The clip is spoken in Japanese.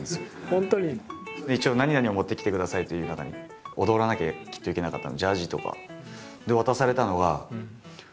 本当に？で一応何々を持ってきてくださいという中に踊らなきゃきっといけなかったのでジャージとか。